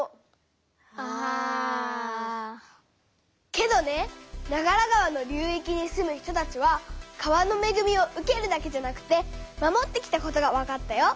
けどね長良川の流いきに住む人たちは川のめぐみを受けるだけじゃなくて守ってきたことがわかったよ。